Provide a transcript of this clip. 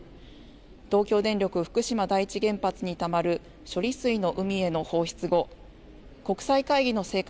東京電力福島第一原発にたまる処理水の海への放出後、国際会議の成果